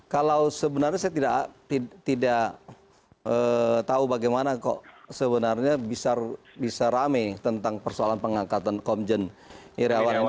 kalau sebenarnya saya tidak tahu bagaimana kok sebenarnya bisa rame tentang persoalan pengangkatan komjen irawan ini